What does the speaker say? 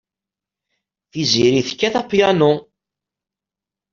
Tiziri tekkat apyanu.